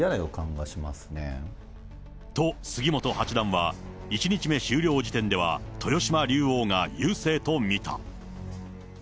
と、杉本八段は、１日目終了時点では、豊島竜王が優勢と見た。